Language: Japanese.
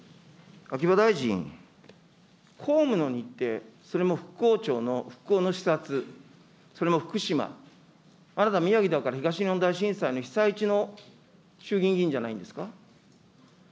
秋葉大臣、公務の日程、それも復興庁の復興の視察、それも福島、あなた、宮城だから東日本大震災の被災地の衆議院議員じゃないんですか。